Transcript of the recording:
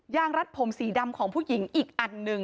งรัดผมสีดำของผู้หญิงอีกอันหนึ่ง